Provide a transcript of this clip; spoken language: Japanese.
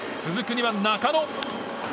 ２番、中野。